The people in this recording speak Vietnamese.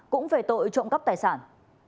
cũng về tội trộm cắp tài sản